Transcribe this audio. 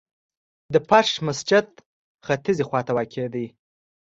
د فرش مسجد ختیځي خواته واقع دی.